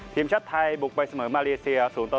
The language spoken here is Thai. ทีมชาติไทยบุกไปเสมอมาเลเซีย๐